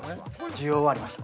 ◆需要はありました。